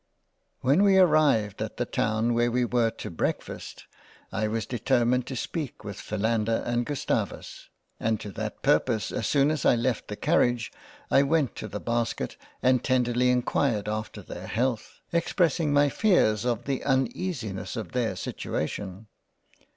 WHEN we arrived at the town where we were to Breakfast, I was determined to speak with Philander and Gustavus, and to that purpose as soon as I left the Carriage, I went to the Basket and tenderly enquired after their Health, expressing my fears of the uneasiness of their situation.